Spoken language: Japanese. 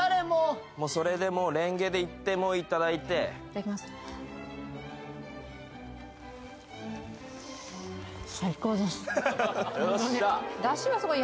もうそれでもうレンゲでいっていただいていただきます